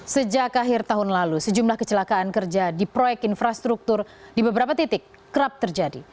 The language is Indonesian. sejak akhir tahun lalu sejumlah kecelakaan kerja di proyek infrastruktur di beberapa titik kerap terjadi